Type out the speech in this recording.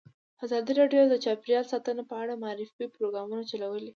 ازادي راډیو د چاپیریال ساتنه په اړه د معارفې پروګرامونه چلولي.